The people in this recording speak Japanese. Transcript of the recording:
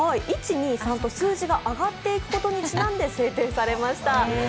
１、２、３と数字が上がっていくことにちなんで制定されました。